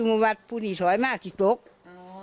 พูดอยู่ทำซ้ายมากทึกกี๊